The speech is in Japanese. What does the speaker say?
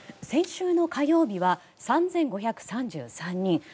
先週の火曜日は３５３３人。